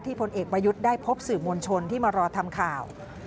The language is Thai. พลเอกประยุทธ์ได้พบสื่อมวลชนที่มารอทำข่าว